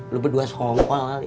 lo berdua sekongkol kali